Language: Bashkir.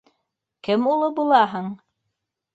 Кем улы булаһың?